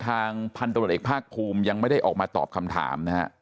พันธุ์ตำรวจเอกภาคภูมิยังไม่ได้ออกมาตอบคำถามนะฮะ